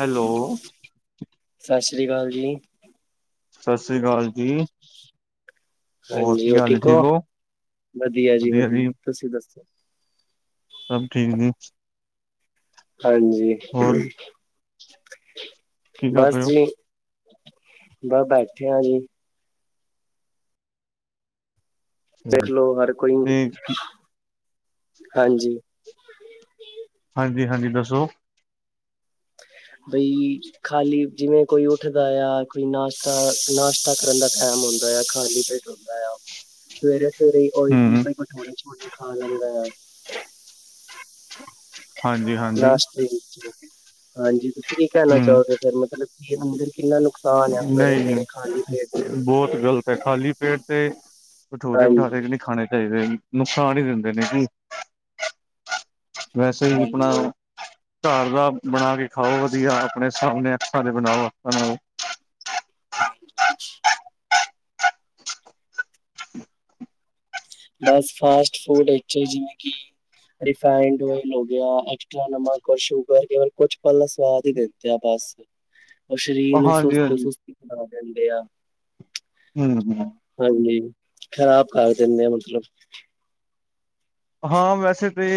Hello ਸਤਿ ਸ੍ਰੀ ਅਕਾਲ ਜੀ। ਸਤਿ ਸ੍ਰੀ ਅਕਾਲ ਜੀ ਹਾਂਜੀ ਹੋਰ ਠੀਕ ਹੋ? ਵਧੀਆ ਜੀ, ਵਧੀਆ ਤੁਸੀਂ ਦੱਸੋ ਸਭ ਠੀਕ ਹੈ। ਹਾਂਜੀ, ਹੋਰ ਕੀ ਕਰ ਬਸ ਰਹੇ ਜੀ ਬਸ ਬੈਠੇ ਆਂ ਜੀ ਹੋ ਦੇਖਲੋ ਹਰ ਕੋਈ, ਤੇ ਹਾਂਜੀ ਹਾਂਜੀ-ਹਾਂਜੀ ਦੱਸੋ ਬਈ ਖਾਲੀ, ਜਿਵੇਂ ਕੋਈ ਉੱਠਦਾ ਆ, ਕੋਈ ਨਾਸ਼ਤਾ, ਨਾਸ਼ਤਾ ਕਰਨ ਦਾ ਟਾਈਮ ਹੁੰਦਾ, ਖਾਲੀ ਪੇਟ ਹੁੰਦਾ ਆ, ਸਵੇਰੇ -ਸਵੇਰੇ ਉਹੀ ਜੀ, ਹਮ ਕੋਈ ਭਟੂਰੇ ਛੋਲੇ ਖਾ ਲੈਂਦਾ ਆ। ਹਾਂਜੀ ਹਾਂਜੀ ਲਾਸਟ ਦੇ ਵਿੱਚ, ਹਾਂਜੀ ਤੁਸੀਂ ਕੀ ਕਹਿਣਾ ਹਮ ਚਾਹੋਗੇ ਫਿਰ, ਮ? ਮਤਲਬ ਕੀ, ਅੰਦਰ ਕਿੰਨਾ ਨੁਕਸਾਨ ਆ, ਸਵੇਰੇ ਨਹੀਂ -ਸਵੇਰੇ ਖਾਲੀ ਪੇਟ ਬਹੁਤ ਗ਼ਲਤ ਹੈ, ਖਾਲੀ ਪੇਟ ਤੇ ਭਠੂਰੇ, ਹਾਂਜੀ ਬਿਠਾਰੇ ਖਾਣੇ ਚਾਹੀਦੇ ਨੀ, ਨੁਕਸਾਨ ਹੀ ਦਿੰਦੇ ਨੇ ਕਿ ਵੈਸੇ ਵੀ ਆਪਣਾ ਹਾਂਜੀ। ਘਰ ਦਾ ਬਣਾ ਕੇ ਖਾਓ, ਵਧੀਆ ਆਪਣੇ ਸਾਹਮਣੇ ਅੱਖਾਂ ਦੇ ਬਣਾਓ, ਆਪ ਨੂੰ ਹਾਂਜੀ ਬਸ ਫਾਸਟ ਫੂਡ ਵਿੱਚ ਜਿਵੇਂ ਕਿ ਰਿਫਾਇਂਡ ਓਇਲ ਹੋ ਗਿਆ, ਐਕਸਟਾ ਨਮਕ, ਸ਼ੂਗਰ ਕੁਛ ਪਲ ਦਾ ਸਵਾਦ ਹੀ ਦਿੰਦੇ ਆ ਬਸ ਉਹ ਸਰੀਰ ਨੂੰ ਹਾਂਜੀ ਸੁਸਤ ਹਾਂਜੀ ਸੁਸਤੀ ਬਣਾ ਦਿੰਦੇ ਆ ਹਮ-ਹਮ ਹਾਂਜੀ ਖ਼ਰਾਬ ਕਰ ਦਿੰਨੇ ਆ ਮਤਲਬ ਹਾਂ ਵੈਸੇ ਤੇ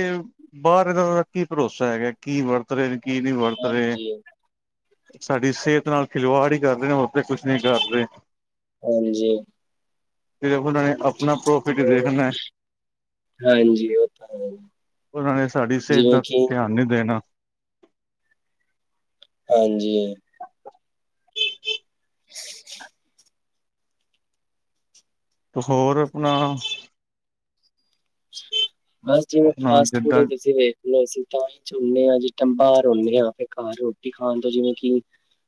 ਬਾਹਰ ਇਹਦਾ ਕੀ ਭਰੋਸਾ ਹੈਗਾ ਕੀ ਵਰਤ ਰਹੇ ਨੇ, ਕੀ ਨਹੀਂ ਵਰਤ ਰਹੇ ਹਾਂਜੀ-ਹਾਂਜੀ। ਸਾਡੀ ਸਿਹਤ ਨਾਲ ਖਿਲਵਾੜ ਹੀ ਕਰਦੇ ਨੇ ਓ ਕੁਛ ਨੀ ਕਰਦੇ ਤੇ ਉਹਨਾਂ ਨੇ ਆਪ ਜੀ ਹਾਂਜੀ ਉਹ ਤਾਂ ਹੈ ਉਹਨਾਂ ਨੇ ਸਾਡੀ ਸਿਹਤ ਜਿਵੇਂ ਦਾ ਕਿ ਧਿਆਨ ਨਹੀਂ ਦੇਣਾ ਹਾਂਜੀ ਹੋਰ ਆਪਣਾ ਬਸ ਜਿਵੇਂ ਆਪਣਾ ਫਾਸਟ ਫੂਡ ਜਿੱਦਾਂ ਤੁਸੀਂ ਵੇਖ ਅਸੀਂ ਤਾਂ ਹੀ ਚਝੁਦੇ ਹਾਂ ਜੀ ਟੈਮ ਬਾਹਰ ਆਉਦੇ ਹਾਂ ਤੇ ਘਰ ਰੋਟੀ ਖਾਣ ਤੋਂ ਜਿਵੇਂ ਕਿ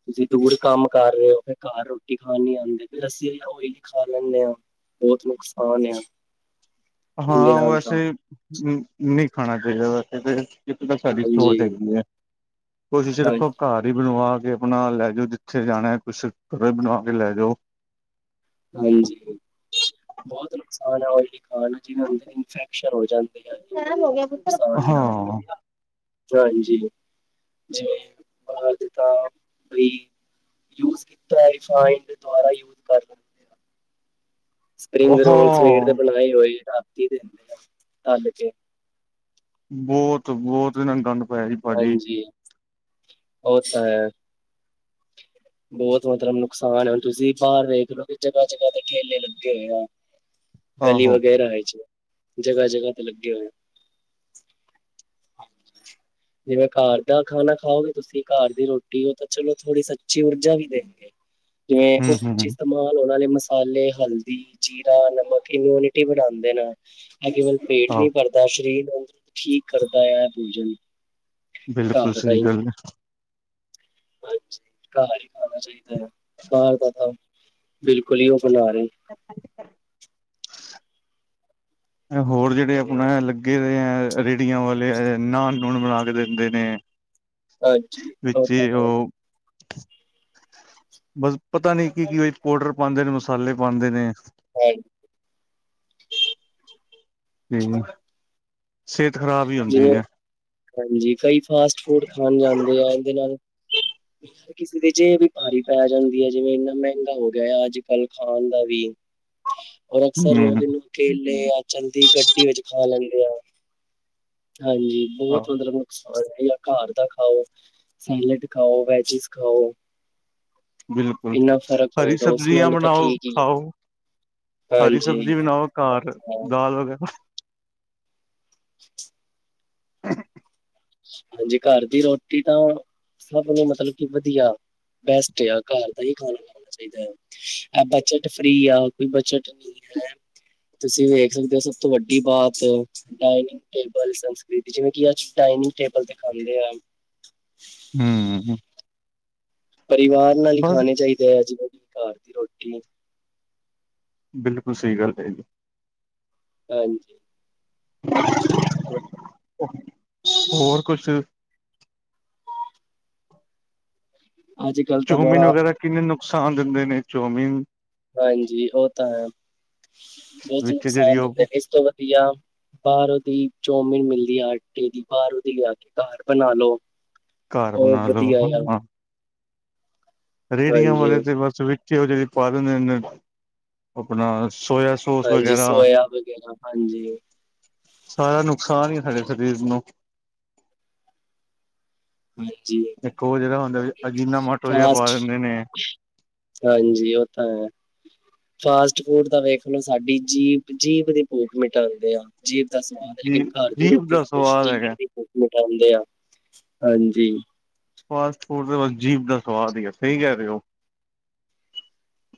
ਤੁਸੀਂ ਦੂਰ ਕੰਮ ਕਰ ਰਹੇ ਹੋ ਫਿਰ ਘਰ ਰੋਟੀ ਖਾਣ ਨੀ ਆਉਂਦੇ ਫਿਰ ਅਸੀ ਓਹੀ ਖਾ ਲੈਂਦੇ ਹੋ ਬਹੁਤ ਨੁਕਸਾਨ ਆ ਇਹਦੇ ਹਾਂ, ਨਾਲ ਤਾਂ ਵੈਸੇ ਨਹੀਂ ਖਾਣਾ ਚਾਹੀਦਾ ਵੈਸੇ ਫ ਇੱਕ ਤਾਂ ਸਾਡੀ ਸੋਚ ਹਾਂਜੀ ਹੈਗੀ ਹੈ, ਕੋਸ਼ਿਸ਼ ਰੱਖੋ ਹਾਂਜੀ ਘਰ ਹੀ ਬਣਵਾ ਕੇ ਆਪਣਾ ਲੈ ਜਾਓ ਜਿੱਥੇ ਜਾਣਾ ਕੁਛ ਕ ਬਣਾਵਾ ਕੇ ਲੈ ਜਾਓ ਹਾਂਜੀ ਬਹੁਤ ਨੁਕਸਾਨ ਹੈ ਉਇਲੀ ਖਾਣ ਜਿਵੇਂ ਅੰਦਰ ਇਨਫੈਕਸ਼ਨ ਹੋ ਜਾਂਦੇ ਆ ਲੀਵਰ ਨੂੰ ਬਹੁਤ ਨੁਕਸਾਨ ਆ ਹਾਂ ਹਾਂਜੀ, ਜਿਵੇਂ ਕਿਤਾ ਵੀ ਯੂਜ ਕੀਤਾ ਹੋਇਆ ਰਿਫਾਇੰਡ, ਦੁਬਾਰਾ ਯੂਜ ਕਰ ਲੈਂਦੇ ਆ ਸਪਰਿੰਗ ਰੋਲ ਸਵੇਰ ਤੇ ਹਾਂ ਬਣਾਈ ਹੋਈ, ਰਾਤੀ ਦਿੰਦੇ ਆ ਤਲ ਕੇ ਬਹੁਤ-ਬਹੁਤ ਨੰਦ ਨੂੰ ਪਾਇਆ ਜੀ ਭਾਜੀ ਹਾਂਜੀ, ਉਹ ਤਾਂ ਹੈ ਬਹੁਤ ਮਤਲਬ ਨੁਕਸਾਨ ਹੈ ਹੁਣ ਤੁਸੀਂ ਬਾਹਰ ਵੇਖ ਲਓ ਵੀ ਜਗ੍ਹਾ-ਜਗ੍ਹਾ ਤੇ ਠੇਲੇ ਲੱਗੇ ਹੋਏ ਆ ਗਲੀ ਆਹੋ ਵਗੈਰਾ ਆ ਚ ਜਗਾ- ਜਗਾ ਤੇ ਲੱਗੇ ਹੋਏ ਹੈ ਹਾਂਜੀ ਜਿਵੇਂ ਘਰ ਦਾ ਖਾਣਾ ਖਾਓਗੇ ਤੁਸੀਂ ਘਰ ਦੀ ਰੋਟੀ ਹੋ ਤਾਂ ਚਲੋ ਥੋੜ੍ਹੀ ਸ ਜਿਵੇਂ ਊਰਜਾ ਵੀ ਦੇਣਗੇ ਜਿਵੇਂ ਉਹ ਹਮ ਹਮ ਚੀਜ਼ ਮਾਲ ਉਹਨਾਂ ਨੇ ਮਸਾਲੇ, ਹਲਦੀ, ਜੀਰਾ, ਨਮਕ ਇਮਿਊਨਿਟੀ ਵਧਾਉਂਦੇ ਨੇ ਨਾ ਕੇਵਲ ਪੇਟ ਆਹੋ ਨੀ ਭਰਦਾ ਸਰੀਰ ਅੰਗ ਠੀਕ ਕਰਦਾ ਆ ਪੂਜਨ ਬਿਲਕੁਲ ਸਹੀ ਗੱਲ ਹੈ ਹਾਂਜੀ, ਘਰ ਹੀ ਖਾਣਾ ਚਾਹੀਦਾ ਹੈ ਬਾਹਰ ਦਾ ਤਾਂ ਬਿਲਕੁਲ ਹੀ ਉਹ ਬਣਾ ਰਹੇ [inaudible] ਹੋਰ ਜਿਹੜੇ ਆਪਣਾ ਲੱਗੇ ਹੋਏ ਹੈ। ਰੇਹੜੀਆਂ ਵਾਲੇ ਆ ਇਨਾਂ ਲੂਣ ਮਿਲਾ ਕੇ ਦਿੰਦੇ ਨੇ ਹਾਂਜੀ ਉਹ ਵਿੱਚ ਤਾਂ ਹੈ। ਉਹ ਬਸ ਪਤਾ ਨੀ ਕੀ-ਕੀ ਪਾਊਡਰ ਪਾਉਂਦੇ ਨੇ, ਮਸਾਲੇ ਪਾਉਂਦੇ ਨੇ ਓਈਲ ਤੇ ਸਿਹਤ ਖ਼ਰਾਬ ਹੀ ਹੁੰਦੀ ਜਿਵੇਂ ਹੈ ਹਾਂਜੀ ਕਈ ਫਾਸਟ ਫੂਡ ਖਾਣ ਜਾਂਦੇ ਆ ਇਹਦੇ ਨਾਲ ਕਿਸੇ ਦੇ ਜੇਬ ਵੀ ਭਾਰੀ ਪੈ ਜਾਂਦੀ ਹੈ ਜਿਵੇਂ ਇੰਨਾ ਮਹਿੰਗਾ ਹੋ ਗਿਆ ਅੱਜ ਕੱਲ੍ਹ ਖਾਣ ਦਾ ਵੀ ਔਰ ਅਕਸਰ ਹਮ ਲੋਕ ਇਹਨੂੰ ਠੇਲੇ ਆ ਚਲਦੀ ਗੱਡੀ ਵਿੱਚ ਖਾ ਲੈਂਦੇ ਆ ਹਾਂਜੀ, ਬਹੁਤ ਆਹੋ ਮਤਲਬ ਨੁਕਸ ਜਾਂ ਘਰ ਦਾ ਖਾਓ, ਸੈਲਡ ਖਾਓ, ਵੈਜਿਸ ਖਾਓ ਬਿਲਕੁਲ ਇੰਨਾ ਫ਼ਰਕ ਹਰੀ ਹੋਏਗਾ ਉਸ ਸਬਜ਼ੀਆਂ ਨਾਲੋਂ ਤਾਂ ਬਣਾਓ ਠੀਕ ਹੀ ਖਾਓ ਹੈ ਹਰੀ ਸਬਜ਼ੀ ਹਾਂਜੀ ਬਣਾਓ, ਘਰ ਦਾਲ ਵਗੈਰਾ [inaudible] ਹਾਂਜੀ, ਘਰ ਦੀ ਰੋਟੀ ਤਾਂ ਸਭ ਨੂੰ ਮਤਲਬ ਕੀ ਵਧੀਆ, ਬੈਸਟ ਆ ਘਰ ਦਾ ਹੀ ਖਾਣਾ ਖਣਾ। ਚਾਹੀਦਾ ਹੈ। ਇਹ ਬਜਟ ਫਰੀ ਆ ਕੋਈ ਬਜਟ ਨਹੀਂ ਹੈ। ਤੁਸੀਂ ਵੇਖ ਸਕਦੇ ਹੋ, ਸਭ ਤੋਂ ਵੱਡੀ ਬਾਤ ਡਾਇਨਿੰਗ ਟੇਬਲ ਸੰਸਕ੍ਰਿਤੀ, ਜਿਵੇਂ ਕੀ ਅੱਜ ਡਾਇਨਿੰਗ ਟੇਬਲ ਤੇ ਖਾਂਦੇ ਏ। ਹੂੰ ਹੂੰ ਪਰਿਵਾਰ ਨਾਲ ਹੀ ਬਸ ਖਾਣੇ ਚਾਹੀਦੇ ਐ। ਜਿਵੇਂ ਕਿ ਘਰ ਦੀ ਰੋਟੀ ਬਿਲਕੁਲ ਸਹੀ ਗੱਲ ਕਿਹ ਰਹਿ ਹੋ। ਹਾਂਜੀ [unintelligible] ਹੋਰ ਕੁਛ ਅੱਜ ਕੱਲ ਚੌਮੀਨ ਵਗੈਰਾ ਕਿੰਨੇ ਨੁਕਸਾਨ ਦਿੰਦੇ ਨੇ, ਚੌਮੀਨ ਹਾਂਜੀ। ਉਹ ਤਾਂ ਹੈ ਬਹੁਤ ਵਿੱਚ ਜਿਹੜੀ ਨੁਕਸਾਨ ਉਹ ਦਿੰਦੇ, ਇਸ ਤੋਂ ਵਧੀਆ ਬਾਹਰ ਉਹਦੀ ਚੌਮੀਨ ਮਿਲਦੀ ਆ ਆਟੇ ਦੀ, ਬਾਹਰ ਉਹਦੀ ਲਿਆ ਕੇ ਘਰ ਬਣਾ ਲੋ। ਘਰ ਉਹ ਬਣਾ ਲੋ ਵਧੀਆ ਆ ਹਾਂ। ਰੇਹੜੀਆਂ ਹਾਂਜੀ, ਵਾਲੇ ਤੇ ਬਸ ਵਿੱਚ ਉਹ ਜਿਹੜੀ ਪਾ ਦਿੰਦੇ ਨੇ, ਆਪਣਾ ਸੋਇਆ ਸੋਸ ਹਾਂਜੀ। ਵਗੈਰਾ ਸੋਇਆ ਵਗੈਰਾ ਹਾਂਜੀ। ਸਾਰਾ ਨੁਕਸਾਨ ਹੀ ਸਾਡੇ ਸਰੀਰ ਨੂੰ ਹਾਂਜੀ ਇੱਕ ਉਹ ਜਰਾ ਹੁੰਦਾ ਵਾ, ਅਜੀਨਾ ਮੋਟੋ ਜਿਹਾ ਫਾਸਟ ਪਾਵਾ ਦਿੰਦੇ ਨੇ ਹਾਂਜੀ, ਉਹ ਤਾਂ ਹੈ। ਫਾਸਟ ਫੂਡ ਤਾਂ ਵੇਖ ਲੋਓ, ਸਾਡੀ ਜੀਭ- ਜੀਭ ਦੀ ਭੂਖ ਮਿਟਾ ਦਿੰਦੇ ਆ। ਜੀਭ ਦਾ ਸਵਾਦ ਹੈ। ਜੀ ਲੇਕਿਨ ਘਰ ਦੀ ਜੀਭ ਰੋਟੀ ਦਾ ਸਵਾਦ ਸਰੀਰ ਹੈਗਾ ਦੇਖੋਂ। ਮਿਟਾਉਂਦੇ ਆ ਹਾਂਜੀ। ਫਾਸਟ-ਫੂਡ ਜੀਭ ਦਾ ਸਵਾਦ ਹੀ ਐ। ਸਹੀ ਕਹਿ ਰਹੇ ਓ।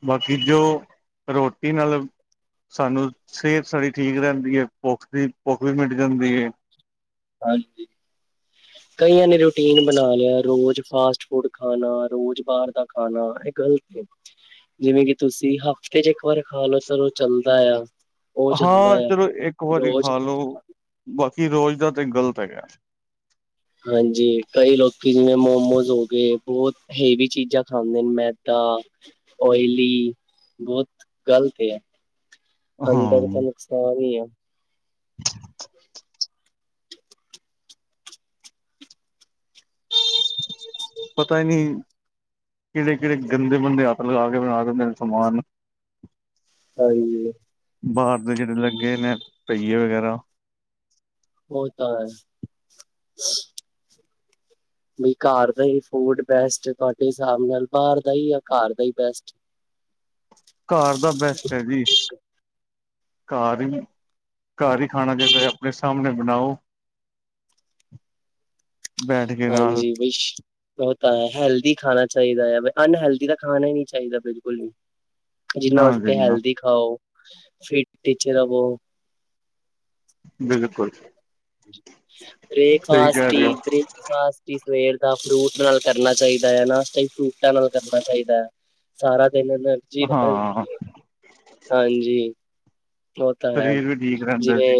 ਬਾਕੀ ਜੋ ਰੋਟੀ ਨਾਲ ਸਾਨੂੰ ਸਿਹਤ ਸਾਡੀ ਠੀਕ ਰਹਿੰਦੀ ਹੈ। ਭੁੱਖ ਦੀ ਭੁੱਖ ਵੀ ਮਿਟ ਜਾਂਦੀ ਏ। ਹਾਂਜੀ ਕਈਆਂ ਨੇ ਰੂਟੀਨ ਬਣਾ ਲਿਆ। ਰੋਜ਼ ਫਾਸਟ ਫੂਡ ਖਾਣਾ ਰੋਜ਼ ਬਾਹਰ ਦਾ ਖਾਣਾ, ਇਹ ਗਲਤ ਏ। ਜਿਵੇਂ ਕਿ ਤੁਸੀਂ ਹਫ਼ਤੇ ਚ ਇੱਕ ਵਾਰ ਖਾ ਲਓ। ਚਲੋ ਚੱਲਦਾ ਆ। ਉਹ ਚੱਲਦਾ ਹਾਂ ਆ ਚਲੋ ਇੱਕ ਵਾਰੀ ਰੋਜ਼ ਖਾ ਲਓ। ਬਾਕੀ ਰੋਜ਼ ਦਾ ਤੇ ਗ਼ਲਤ ਹੈਗਾ। ਹਾਂਜੀ। ਕਈ ਲੋਕੀ ਜਿਵੇਂ-ਮੋਮੋਸ ਹੋ ਗਏ ਬਹੁਤ ਹੈੇਵੀ ਚੀਜ਼ਾਂ ਖਾਂਦੇ ਨੇ ਮੈਦਾ ਓਇਲੀ ਬਹੁਤ ਗ਼ਲਤ ਏ। ਹਾਂ ਅੰਦਰ ਤਾਂ ਨੁਕਸਾਨ ਈ ਐ। ਪਤਾ ਹੀ ਨੀ ਕਿਹੜੇ-ਕਿਹੜੇ ਗੰਦੇ-ਮੰਦੇ, ਹੱਥ ਲਗਾ ਕੇ ਬਣਾ ਦਿੰਦੇ ਨੇ ਸਮਾਨ। ਹਾਂਜੀ ਬਾਹਰ ਦੇ ਜਿਹੜੇ ਲੱਗੇ ਨੇ ਪਹੀਏ ਵਗੈਰਾ। ਹੋ ਤਾਂ ਹੈ। ਨੀ ਘਰ ਦਾ ਹੀ ਫੂਡ ਬੈਸਟ ਤੁਹਾਡੇ ਹਿਸਾਬ ਨਾਲ ਬਾਹਰ ਦਾ ਹੀ ਘਰ ਦਾ ਹੀ ਬੈਸਟ। ਘਰ ਦਾ ਬੈਸਟ ਹੈ ਜੀ। ਘਰ ਹੀ ਘਰ ਹੀ ਖਾਣਾ ਚਾਹੀਦਾ। ਆਪਣੇ ਸਾਹਮਣੇ ਬਣਾਓ ਬੈਠ ਕੇ ਨਾਲ ਹਾਂਜੀ। ਵਿਸ਼- ਉਹ ਤਾਂ ਹੈ। ਹੈਲਦੀ ਖਾਣਾ ਚਾਹੀਦਾ ਐ। ਅਨਹੈਲਦੀ ਦਾ ਖਾਣਾ ਹੀ ਨਹੀਂ ਚਾਹੀਦਾ ਬਿਲਕੁਲ ਵੀ ਜਿੰਨਾ ਨਾ ਹੋ ਸਕੇ ਜੀ ਨਾ ਹੈਲਦੀ ਖਾਓ। ਫਿਟ ਟੀਚ ਰਵੋ। ਬਿਲਕੁਲ ਸਹੀ ਬ੍ਰੇਕਫਾਸਟ, ਕਹਿ ਟੀ ਰਹੇ ਹੋ ਬਰੇਕ ਫਾਸਟ ਹੀ ਸਵੇਰ ਦਾ ਫਰੂਟ ਨਾਲ ਕਰਨਾ ਚਾਹੀਦਾ ਹੈਨਾ। ਇਹ ਫਰੂਟਾਂ ਨਾਲ ਕਰਨਾ ਚਾਹੀਦਾ ਹੈ। ਸਾਰਾ ਦਿਨ ਦਾ। ਹਾਂ, ਹਾਂਜੀ, ਉਹ ਤਾਂ ਹੈ ਸਰੀਰ ਵੀ ਠੀਕ ਰਹਿੰਦਾ ਜਿਵੇਂ ਜੀ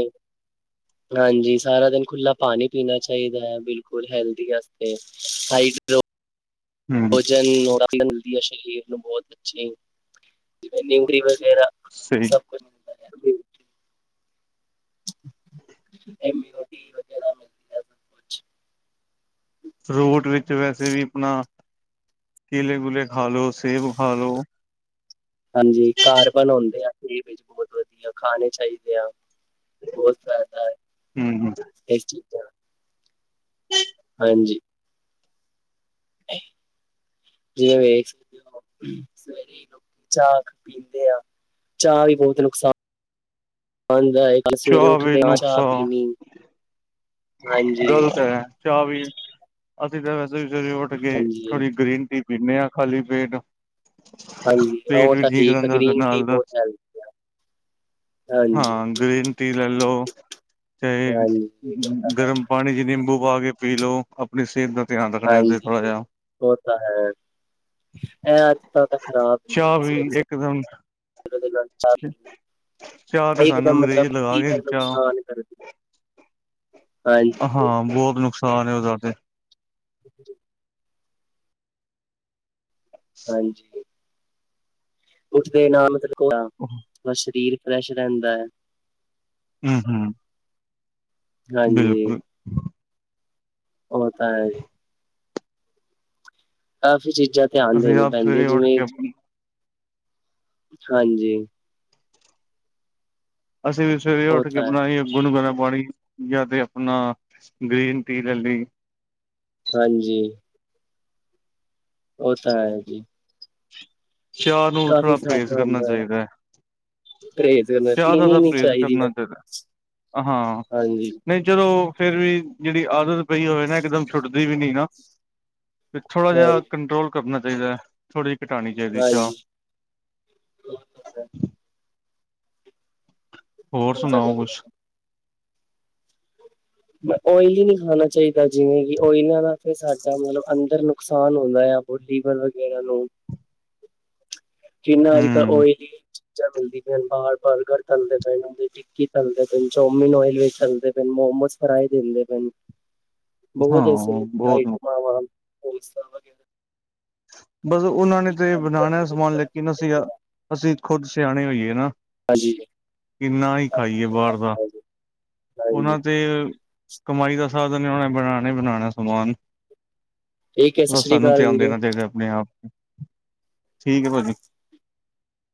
ਹਾਂਜੀ, ਸਾਰਾ ਦਿਨ ਖੁੱਲਾ ਪਾਣੀ ਪੀਣਾ ਚਾਹੀਦਾ ਐ ਬਿਲਕੁਲ ਹੈਲਦੀ ਵਾਸਤੇ ਸਾਈਡ ਹਮ ਭੋਜਨ ਮਿਲਦੀ ਐ ਸਰੀਰ ਨੂੰ ਬਹੁਤ ਅੱਛੀ ਜਿਵੇਂ ਨਿਊਟਰੀ ਵਗੈਰਾ। ਸਹੀ ਸਭ ਕੁਛ ਮਿਲਦਾ ਹੈ ਇਮਿਨਿਟੀ ਫਰੂਟ ਵਿੱਚ ਵੈਸੇ ਵੀ ਆਪਣਾ ਕੇਲੇ ਕੁਲੇ ਖਾ ਲਓ ਸੇਬ ਖਾ ਲਓ। ਹਾਂਜੀ ਕਾਰਬਨ ਹੁੰਦੇ ਆ ਏਦੇ ਵਿੱਚ ਬਹੁਤ ਵਧੀਆ ਖਾਣੇ ਚਾਹੀਦੇ ਆ। ਬਹੁਤ ਫਾਇਦਾ ਹਮ ਇਸ ਚ ਹਾਂਜੀ, ਜਿਵੇਂ ਵੇਖ ਸਕਦੇ ਹੋ [unintelligible] ਚਾਹ ਪੀਂਦੇ ਆ ਚਾਹ ਵੀ ਬਹੁਤ ਨੁਕਸਾਨ ਦਾਇਕ ਕੱਲ ਸਵੇਰੇ ਚਾਹ ਵੀ ਉੱਠਦੇ ਆ ਚਾਹ ਪੀਣੀ। ਹਾਂਜੀ ਗਲਤ ਐ ਚਾਹ ਵੀ ਅਸੀਂ ਤਾਂ ਵੈਸੇ ਵੀ ਸਵੇਰੇ ਉੱਠ ਕੇ ਹਾਂਜੀ ਥੋੜੀ ਗ੍ਰੀਨ ਟੀ। ਪੀਨੇ ਆ ਖਾਲੀ ਪੇਟ ਹਾਂਜੀ ਪੇਟ ਉਹ ਵੀ ਤਾਂ ਠੀਕ ਆ ਰਹਿੰਦਾ ਉਸਦੇ ਗ੍ਰੀਨ ਟੀ ਨਾਲ ਬਹੁਤ ਹੈਲਦੀ ਆ ਹਾਂਜੀ ਹਾਂ, ਗ੍ਰੀਨ ਟੀ ਲੈ ਲਓ ਤੇ। ਹਾਂਜੀ ਗਰਮ ਪਾਣੀ ਚ ਨਿੰਬੂ ਪਾ ਕੇ ਪੀ ਲਓ। ਆਪਣੀ ਸਿਹਤ ਦਾ ਧਿਆਨ ਰੱਖਣਾ ਤੇ ਹਾਂਜੀ ਥੋੜ੍ਹਾ ਜਾ। ਉਹ ਤਾਂ ਹੈ ਇਹ ਅੱਜ ਤਾਂ ਤਾਂ ਖ਼ਰਾਬ ਨੇ ਚਾਹ ਜਿਵੇਂ ਵੀ ਇੱਕਦਮ ਸਵੇਰੇ ਚਾਹ ਤੇ [unintelligible] ਸਾਨੂੰ ਇੱਕਦਮ ਮਤਲਬ ਅੰਗਰੇਜ਼ ਲਗਾ ਕੇ ਫਿਰ ਚਾਹ ਨੁਕਸਾਨ ਕਰਦੀ ਹਾਂਜੀ ਹਾਂ, ਬਹੁਤ ਨੁਕਸਾਨ ਆ ਓਹਦਾ ਤੇ। [unintelligible] ਹਾਂਜੀ ਕੁੱਛ ਦੇਣਾ [unintelligible] [unintelligible] ਸਰੀਰ ਫਰੈਸ਼ ਰਹਿੰਦਾ। ਹੂੰ ਹੂੰ, ਹਾਂਜੀ ਬਿਲਕੁਲ ਹੋ ਤਾਂ ਹੈ ਜੀ। ਕਾਫ਼ੀ ਚੀਜ਼ਾਂ ਧਿਆਨ ਅਸੀਂ ਦੇਣੀ ਆਪ ਪੈਂਦੀਆਂ ਸਵੇਰੇ ਉੱਠ ਜਿਵੇਂ ਕੇ ਹਾਂਜੀ, ਅਸੀਂ ਵੀ ਸਵੇਰੇ ਉਹ ਉੱਠ ਕੇ ਤਾਂ ਹੈ ਬਣਾਈਏ। ਗੁਨ ਗਣਾ ਪਾਣੀ ਯਾ ਤੇ ਅਪਣਾ ਗ੍ਰੀਨ ਟੀ ਲੈ ਲੀ। ਹਾਂਜੀ। ਉਹ ਤਾਂ ਹੈ ਜੀ। ਚਾਹ ਨੂੰ ਕਾਫੀ ਥੋੜਾ ਪਰਹੇਜ਼ ਫਾਇਦਾ ਕਰਨਾ ਹੁੰਦਾ ਐ, ਚਾਹੀਦਾ ਹੈ ਪਰੇ ਚਾਹ ਦਾ ਪੀਣੀ ਤਾਂ ਨੀ ਪਰਹੇਜ਼ ਚਾਈਦੀ ਐ, ਕਰਨਾ ਹਾਂਜੀ। ਨਈ ਚਲੋ ਫਿਰ ਵੀ ਜੇੜੀ ਆਦਤ ਪਈ ਹੋਵੇ ਨਾ ਇਕਦਮ ਛੁੱਟਦੀ ਵੀ ਨੀ ਨਾ। ਥੋੜਾ ਜਾ ਹਾਂਜੀ ਕੰਟਰੋਲ ਕਰਨਾ ਚਾਹੀਦਾ ਥੋੜੀ ਜਿਹੀ ਘਟਾਣੀ ਚਾਹੀਦੀ ਚਾਹ। ਹਾਂਜੀ ਉਹ ਤਾਂ ਹੋਰ ਸੁਣਾਓ ਗੱਲ ਕੁਛ? ਓਇਲ ਨੀ ਖਾਣਾ ਚਾਹੀਦਾ ਜਿਵੇਂ ਕਿ ਓਇਲਾਂ ਦਾ ਫਿਰ ਸਾਡਾ ਮਤਲਬ ਅੰਦਰ ਨੁਕਸਾਨ ਹੁੰਦਾ ਆ। ਹੋ ਜੀਵਨ ਵਗੈਰਾ ਨੂੰ ਕਿੰਨਾ ਅੱਜਕੱਲ ਹਮ ਓਇਲੀ ਚੀਜ਼ਾਂ ਮਿਲਦੀ ਪਈ ਬਾਹਰ ਬਰਗਰ [unintelligible] [unintelligible] ਚੋਮਨਇਲ ਓਇਲੀ ਪਏ ਨੇ ਮੋਮੋਸ ਫਰਾਈ ਦਿੰਦੇ ਹਾਂ ਬਹੁਤ ਸੇ ਬਹੁਤ ਆਈਟਮਾ [unintelligible] ਬਸ ਉਹਨਾਂ ਨੇ ਤੇ ਖਾਂਦੇ ਆ ਬਣਾਣਾ ਉਹੀ ਜਿਹਨੂੰ ਸਮਾਨ ਪ੍ਰੈਫਰ ਲੇਕਿਨ ਅਸੀਂ ਕਰਦੇ ਆ ਅਸੀਂ ਖੁੱਦ ਸਿਆਣੇ ਹੋਈਏ ਨਾ। ਹਾਂਜੀ ਕਿੰਨਾ ਹੀ ਖਾਈਏ ਬਾਹਰ ਦਾ। ਹਾਂਜੀ ਹਾਂਜੀ ਉਹਨਾਂ ਤੇ ਕਮਾਈ ਦਾ ਸਾਧਨ ਓਨੇ ਨੇ ਬਣਾਣਾ ਬਣਾਣਾ ਸਮਾਨ ਠੀਕ ਹੈ ਸਤਿ ਸ਼੍ਰੀ ਸਾਨੂੰ ਅਕਾਲ ਧਿਆਨ ਵੀਰੇ ਦੇਣਾ ਚਾਹੀਦਾ ਆਪਣੇ ਆਪ ਠੀਕ ਐ ਭਾਜੀ।